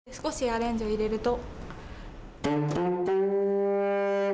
アレンジを入れると。